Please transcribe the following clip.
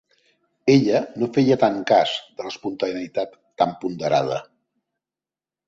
Ella no feia tant cas, de la espontaneïtat tan ponderada.